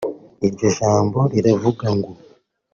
iryo jambo riravuga ngo